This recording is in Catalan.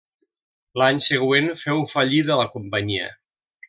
L'any següent féu fallida la companyia.